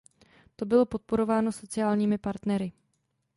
To bylo podporováno sociálními partnery.